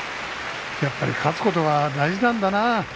やっぱり勝つことが大事なんだな。